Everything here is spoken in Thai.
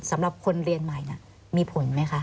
สำหรับคนเรียนใหม่มีผลไหมคะ